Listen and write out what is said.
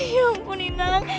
ya ampun inang